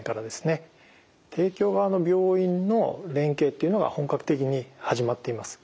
提供側の病院の連携っていうのが本格的に始まっています。